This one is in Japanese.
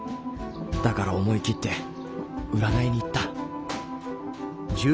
だから思い切って占いに行った。